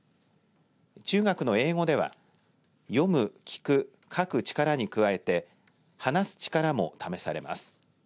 中学の英語では読む、聞く、書く力に加えて話す力も試されます。